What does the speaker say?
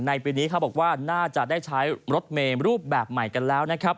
ในปีนี้เขาบอกว่าน่าจะได้ใช้รถเมฆรูปแบบใหม่กันแล้ว